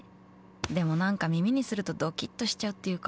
でもなんか耳にするとドキッとしちゃうというか